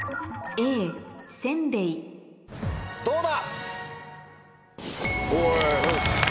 どうだ？